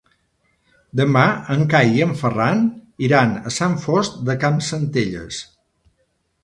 Demà en Cai i en Ferran iran a Sant Fost de Campsentelles.